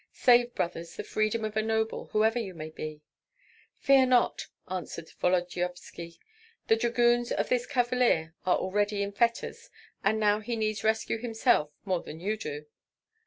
Save, brothers, the freedom of a noble, whoever you may be." "Fear not!" answered Volodyovski, "the dragoons of this cavalier are already in fetters, and now he needs rescue himself more than you do."